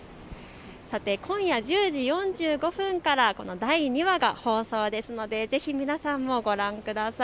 さて、今夜１０時４５分から第２話が放送ですのでぜひ皆さんもご覧ください。